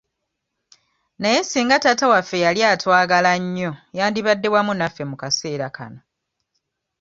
Naye singa taata waffe yali atwagala nnyo yandibadde wamu naffe mu kaseera kano.